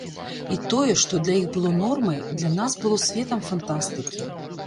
І тое, што для іх было нормай, для нас было светам фантастыкі.